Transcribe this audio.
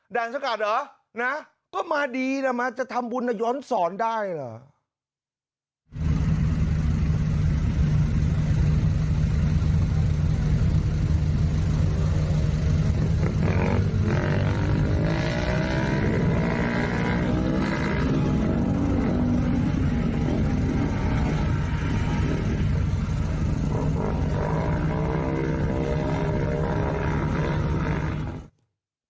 สกัดเหรอนะก็มาดีนะมาจะทำบุญนะย้อนสอนได้เหรอ